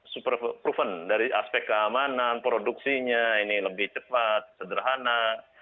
super proven dari aspek keamanan produksinya ini lebih cepat sederhana